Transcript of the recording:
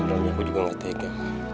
aku juga gak tega